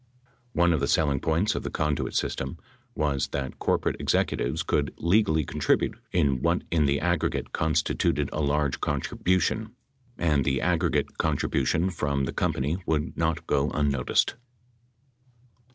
One of the selling points of the conduit system was that corporate executives could legally contribute in what in the aggregate constituted a large contribution. 6 And the aggregate contribution from the com pany would not go unnoticed.